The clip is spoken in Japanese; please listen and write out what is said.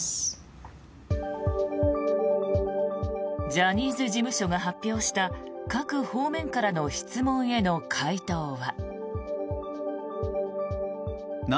ジャニーズ事務所が発表した各方面からの質問への回答は。